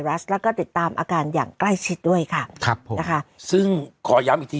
แล้วก็ติดตามอาการอย่างใกล้ชิดด้วยค่ะครับผมนะคะซึ่งขอย้ำอีกที